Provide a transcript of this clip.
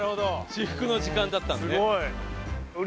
至福の時間だったんですね。